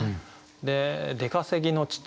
で「出稼ぎの父」。